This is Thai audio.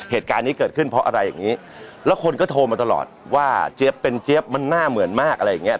เหตุการณ์นี้เกิดขึ้นเพราะอะไรอย่างนี้แล้วคนก็โทรมาตลอดว่าเจี๊ยบเป็นเจี๊ยบมันหน้าเหมือนมากอะไรอย่างเงี้